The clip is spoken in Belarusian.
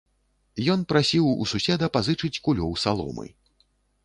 Ён прасіў у суседа пазычыць кулёў саломы.